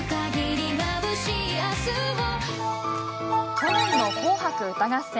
去年の「紅白歌合戦」。